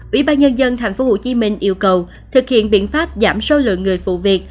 ủy ban nhân dân tp hcm yêu cầu thực hiện biện pháp giảm số lượng người phụ việc